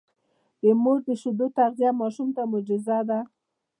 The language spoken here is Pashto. د مور د شیدو تغذیه ماشوم ته معجزه ده.